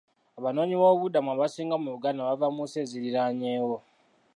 Abanoonyiboobubudamu abasinga mu Uganda bava mu nsi eziriraanyeewo.